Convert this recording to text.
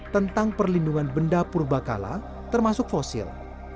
tentang perlindungan benda purbakala termasuk fosil